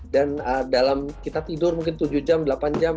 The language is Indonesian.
dan dalam kita tidur mungkin tujuh jam delapan jam